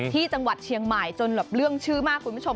ที่จังหวัดเชียงใหม่จนแบบเรื่องชื่อมากคุณผู้ชม